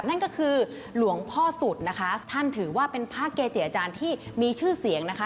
นั่นก็คือหลวงพ่อสุดนะคะท่านถือว่าเป็นพระเกจิอาจารย์ที่มีชื่อเสียงนะคะ